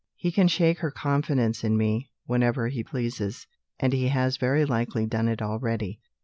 He can shake her confidence in me, whenever he pleases; and he has very likely done it already."